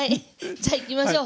じゃあいきましょう。